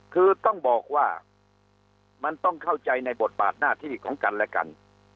คือต้องบอกว่ามันต้องเข้าใจในบทบาทหน้าที่ของกันและกัน